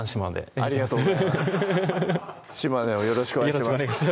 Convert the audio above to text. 島根をよろしくお願いします